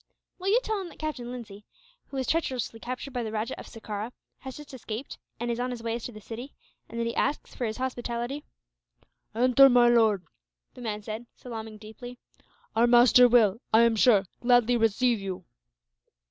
"Will you tell him that Captain Lindsay, who was treacherously captured by the Rajah of Sekerah, has just escaped, and is on his way to the city; and that he asks for his hospitality?" "Enter, my lord," the man said, salaaming deeply. "Our master will, I am sure, gladly receive you."